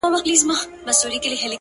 o او په سترگو کې بلا اوښکي را ډنډ سوې؛